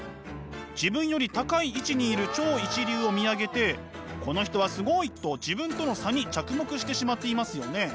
自分より高い位置にいる「超一流」を見上げて「この人はすごい！」と自分との差に着目してしまっていますよね。